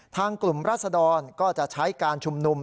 ทางกลุ่มรัศดรก็จะใช้การชุมนุม